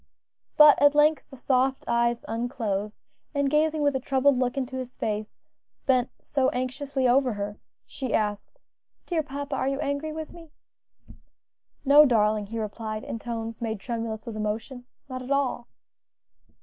But at length the soft eyes unclosed, and gazing with a troubled look into his face, bent so anxiously over her, she asked, "Dear papa, are you angry with me?" "No, darling," he replied in tones made tremulous with emotion, "not at all."